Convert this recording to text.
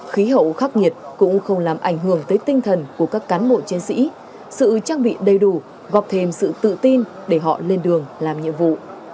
khí hậu khắc nghiệt cũng không làm ảnh hưởng tới tinh thần của các cán bộ chiến sĩ sự trang bị đầy đủ gọp thêm sự tự tin để họ lên đường làm nhiệm vụ